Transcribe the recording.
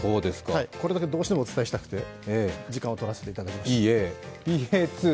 これだけどうしてもお伝えしたくて、時間をとらせていただきました。